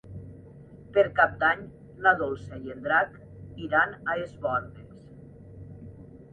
Per Cap d'Any na Dolça i en Drac iran a Es Bòrdes.